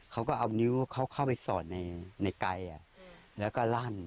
เขาก็เอานิ้วเขาเข้าไปสอดในไกลแล้วก็ลั่น